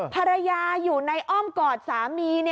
ภรรยาอยู่ในอ้อมกอดสามี